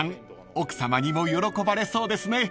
奥さまにも喜ばれそうですね］